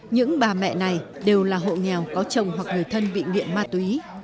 những bà mẹ này đều là hộ nghèo có chồng hoặc người thân bị nghiện ma túy